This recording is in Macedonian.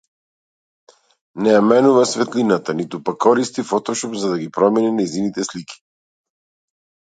Не ја менува светлината, ниту пак користи фотошоп за да ги промени нејзините слики.